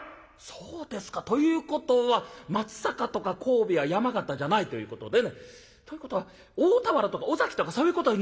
そうですか。ということは松阪とか神戸や山形じゃないということね。ということは大田原とか尾崎とかそういうことになるんでしょうか」。